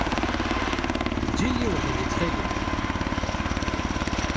Eǧǧ-iyi weḥd-i, ttxil-k.